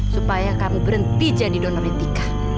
supaya kamu berhenti jadi donorin tika